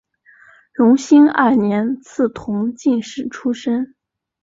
隆兴二年赐同进士出身。